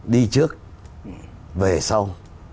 đi trước về sau